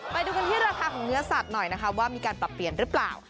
ไปดูกันที่ราคาของเนื้อสัตว์หน่อยนะคะว่ามีการปรับเปลี่ยนหรือเปล่า